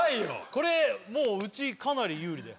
これもううちかなり有利だよ